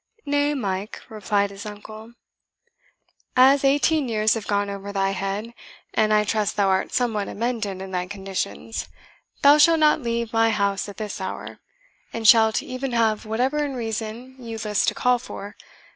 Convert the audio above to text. "Nay, Mike," replied his uncle, "as eighteen years have gone over thy head, and I trust thou art somewhat amended in thy conditions, thou shalt not leave my house at this hour, and shalt e'en have whatever in reason you list to call for.